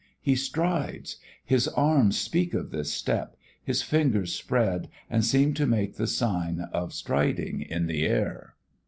He strides.... His arms speak of this step, his fingers spread and seem to make the sign of striding in the air.